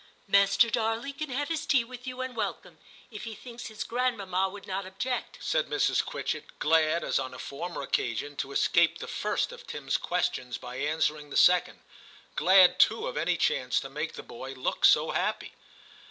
' Master Darley can have his tea with you in TIM 43 and welcome, if he thinks his grandmamma would not object/ said Mrs. Quitchett, glad, as on a former occasion, to escape the first of Tim's questions by answering the second, — glad too of any chance to make the boy look so happy.